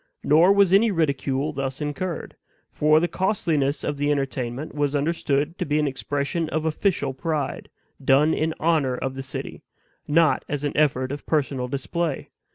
Nor was any ridicule thus incurred; for the costliness of the entertainment was understood to be an expression of OFFICIAL pride, done in honor of the city, not as an effort of personal display.